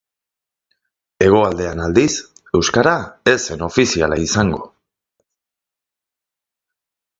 Hegoaldean aldiz, euskara ez zen ofiziala izango.